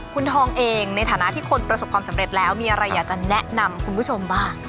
คุณทองเองในฐานะที่คนประสบความสำเร็จแล้วมีอะไรอยากจะแนะนำคุณผู้ชมบ้าง